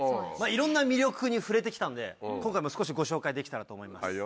いろんな魅力に触れて来たので今回も少しご紹介できたらと思います。